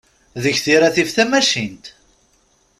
Deg tira tif tamacint.